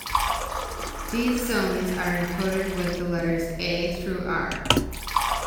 These zones are encoded with the letters "A" through "R".